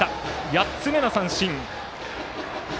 ８つ目の三振。